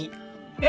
え？